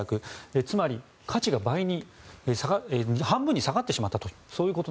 つまり、価値が半分に下がってしまったと。